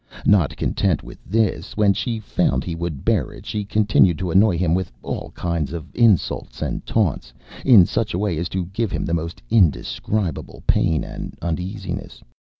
Not content with this, when she found he would bear it, she continued to annoy him with all kinds of insults and taunts, in such a way as to give him the most indescribable pain and uneasiness.